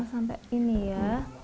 sampai ini ya